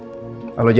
aku akan menunggu